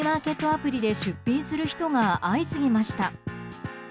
アプリで出品する人が相次ぎました。